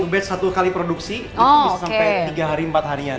satu batch satu kali produksi itu bisa sampai tiga hari empat harian